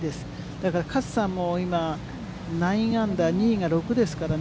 だから、勝さんも、今、９アンダー、２位が６ですからね。